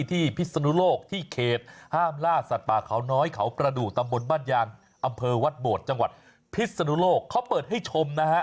พิศนุโลกที่เขตห้ามล่าสัตว์ป่าเขาน้อยเขาประดูกตำบลบ้านยางอำเภอวัดโบดจังหวัดพิษนุโลกเขาเปิดให้ชมนะฮะ